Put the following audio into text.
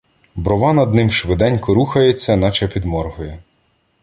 Брова над ним швиденько рухається, наче підморгує.